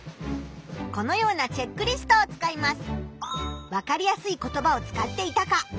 このようなチェックリストを使います。